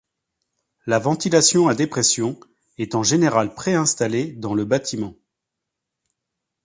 La ventilation à dépression est en général pré-installée dans le bâtiment.